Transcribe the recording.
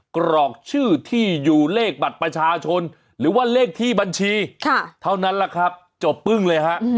กรอกชื่อที่อยู่เลขบัตรประชาชนหรือว่าเลขที่บัญชีเท่านั้นแหละครับจบปึ้งเลยฮะ